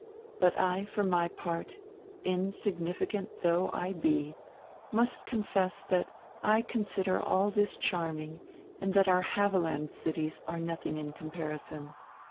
But I for my part, insignificant though I be, must confess, that I consider all this charming and that our Havelland cities are nothing in comparison.